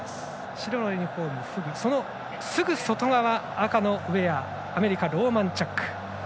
白いユニフォームのフグのすぐ外側赤のウエア、アメリカローマンチャック。